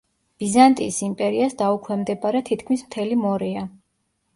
ბიზანტიის იმპერიას დაუქვემდებარა თითქმის მთელი მორეა.